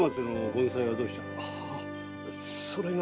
はあそれが。